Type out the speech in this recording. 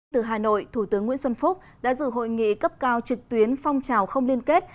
từ hà nội thủ tướng nguyễn xuân phúc đã dự hội nghị cấp cao trực tuyến phong trào không liên kết